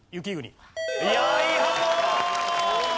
いやいい反応！